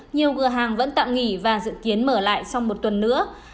nhiều cửa hàng vẫn tạm nghỉ và dự kiến mở lại sau một tuần nữa